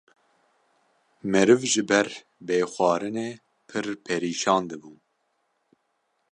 Meriv ji ber bê xwarinê pirr perîşan dibûn.